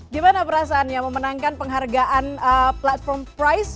gimana perasaannya memenangkan penghargaan platform price